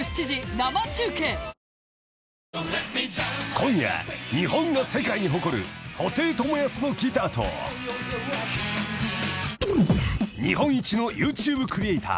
［今夜日本が世界に誇る布袋寅泰のギターと日本一のＹｏｕＴｕｂｅクリエイター